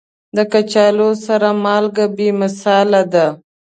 د کچالو سره مالګه بې مثاله ده.